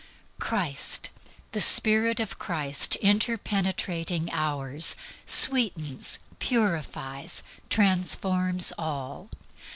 Christ, the Spirit of Christ, interpenetrating ours, sweetens, purifies, transforms all.